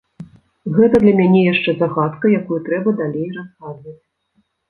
Гэта для мяне яшчэ загадка, якую трэба далей разгадваць.